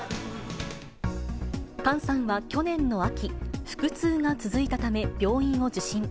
ＫＡＮさんは去年の秋、腹痛が続いたため、病院を受診。